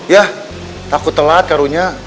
ya takut telat karunya